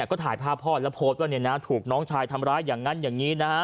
ก็ถ่ายภาพพ่อแล้วโพสต์ว่าถูกน้องชายทำร้ายอย่างนั้นอย่างนี้นะฮะ